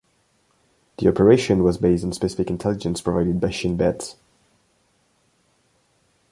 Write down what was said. The operation was based on specific intelligence provided by Shin Bet.